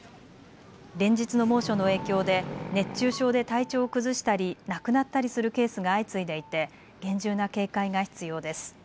連日の猛暑の影響で熱中症で体調を崩したり亡くなったりするケースが相次いでいて厳重な警戒が必要です。